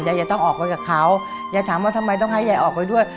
ยายยายต้องออกไปกับเขายายถามว่าทำไมต้องให้ยายออกไปด้วย